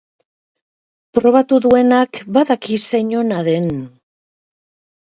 Probatu duenak badaki zein ona den.